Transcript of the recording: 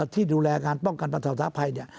ที่ดูแลงานป้องกันประสาทภัย